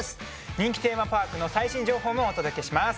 人気テーマパークの最新情報もお届けします